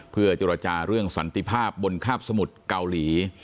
เพื่อเจรจาเรื่องสันติภาพบนคาบสมุทรเกาหลี